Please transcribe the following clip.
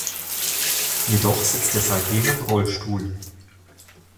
Jedoch sitzt er seitdem im Rollstuhl.